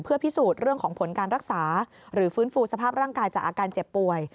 เพื่อพิสูจน์เรื่องของผลการรักษาหรือฟื้นฟูสภาพร่างกายจากอาการเจ็บป่วย